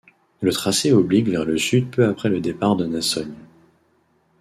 Le tracé oblique vers le sud peu après le départ de Nassogne.